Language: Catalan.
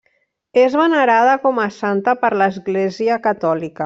És venerada com a santa per l'Església catòlica.